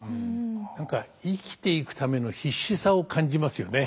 何か生きていくための必死さを感じますよね。